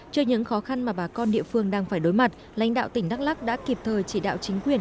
trước những khó khăn mà bà con địa phương đang phải đối mặt lãnh đạo tỉnh đắk lắc đã kịp thời chỉ đạo chính quyền